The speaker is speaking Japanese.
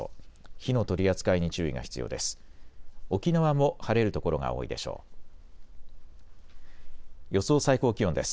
火の取り扱いに注意が必要です。